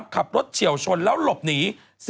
๓ขับรถเฉี่ยวชนแล้วหลบหนี